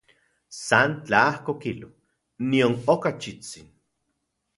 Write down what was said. San tlajko kilo, nion okachitsin.